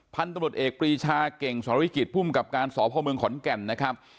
พันธุ์ตำรวจเอกปรีชาเก่งสรวิกิจภูมิกับการสพเมืองขอนแก่นนะครับ